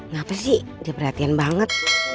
ngapa sih dia perhatian banget